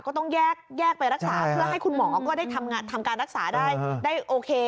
ก็ต้องแยกไปรักษาเพื่อให้คุณหมอก็ได้ทำการรักษาได้โอเค